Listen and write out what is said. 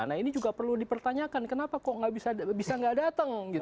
nah ini juga perlu dipertanyakan kenapa kok bisa nggak datang gitu